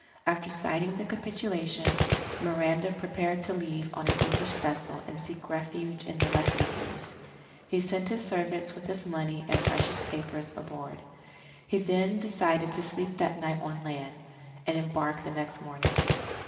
After signing the capitulation, Miranda prepared to leave on an English vessel and seek refuge in the West Indies. He sent his servants with his money and precious papers aboard. He then decided to sleep that night on land, and embark the next morning.